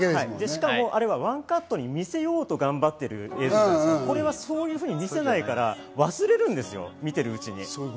しかも、あれは１カットに見せようと頑張ってる映画ですけど、これはそういうふうに見せないから忘れるんですよ、見てるうちに。